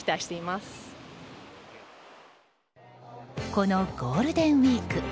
このゴールデンウィーク。